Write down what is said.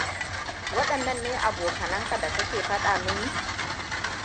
Waɗannan ne abokanan da ka ke faɗa mini?